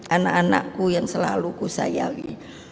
anak anakku yang selalu kusayawi